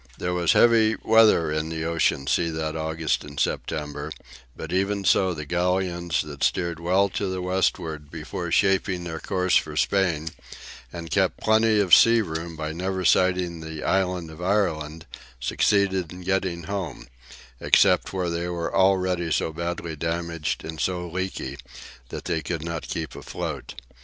There was heavy weather in the "ocean sea" that August and September, but even so the galleons that steered well to the westward before shaping their course for Spain, and kept plenty of sea room by never sighting the "island of Ireland," succeeded in getting home, except where they were already so badly damaged and so leaky that they could not keep afloat.